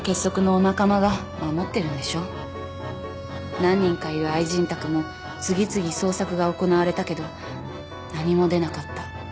何人かいる愛人宅も次々捜索が行われたけど何も出なかった。